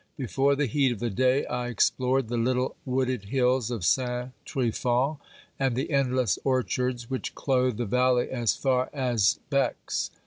Before the heat of the day I explored the little wooded hills of Saint Tryphon and the endless orchards which clothe the valley as far as Bex.